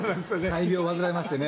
大病を患いましてね。